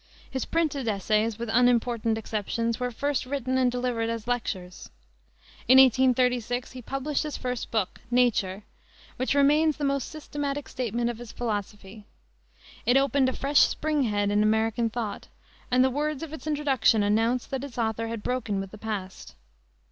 His printed essays, with unimportant exceptions, were first written and delivered as lectures. In 1836 he published his first book, Nature, which remains the most systematic statement of his philosophy. It opened a fresh spring head in American thought, and the words of its introduction announced that its author had broken with the past.